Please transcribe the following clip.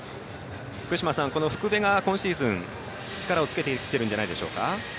この福部が今シーズン力をつけてきているんじゃないでしょうか。